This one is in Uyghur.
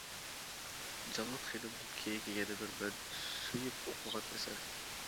جاللات خېنىمدىن كېيىنكى يەنە بىر مەن سۆيۈپ ئوقۇغان ئەسەر!